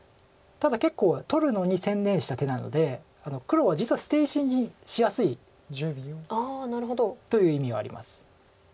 ただ結構取るのに専念した手なので黒は実は捨て石にしやすいという意味はあります。